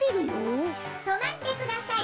とまってください。